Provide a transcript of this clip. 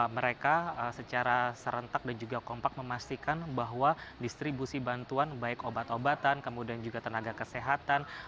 mereka secara serentak dan juga kompak memastikan bahwa distribusi bantuan baik obat obatan kemudian juga tenaga kesehatan